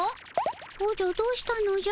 おじゃどうしたのじゃ？